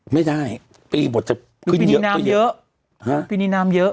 ไม่ได้ปีนี้หมดจะขึ้นเยอะ